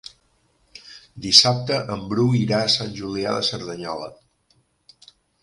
Dissabte en Bru irà a Sant Julià de Cerdanyola.